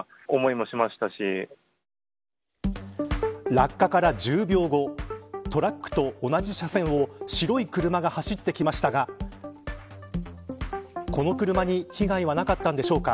落下から１０秒後トラックと同じ車線を白い車が走ってきましたがこの車に被害はなかったのでしょうか。